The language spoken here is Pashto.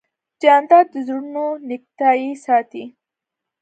جانداد د زړونو نېکتایي ساتي.